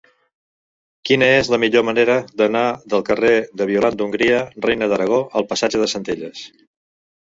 Quina és la millor manera d'anar del carrer de Violant d'Hongria Reina d'Aragó al passatge de Centelles?